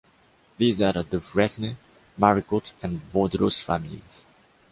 These are the Dufresne, Maricot and Vaudroz families.